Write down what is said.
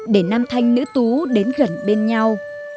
để nam thanh nữ tú đến gần bên nhau